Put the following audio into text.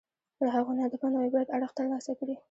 له هغو نه د پند او عبرت اړخ ترلاسه کړي.